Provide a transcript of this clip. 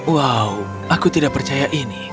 wow aku tidak percaya ini